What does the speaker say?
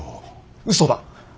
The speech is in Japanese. うそだ。